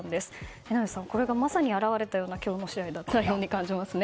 榎並さん、これがまさに表れたような今日の試合だったように感じますね。